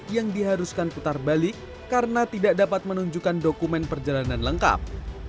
yang diharuskan putar balik karena tidak dapat menunjukkan dokumen perjalanan lengkap